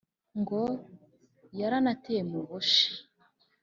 ngo yanateye mu bushi,